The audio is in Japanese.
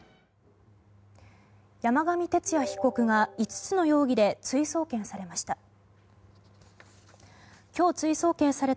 山上徹也被告が５つの容疑で追送検されました。